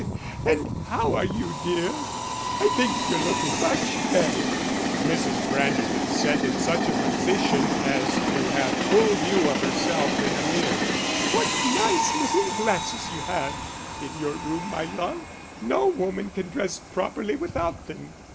And how are you, dear? I think you're looking much better." Mrs. Branderton sat in such a position as to have full view of herself in a mirror. "What nice looking glasses you have in your room, my love. No woman can dress properly without them.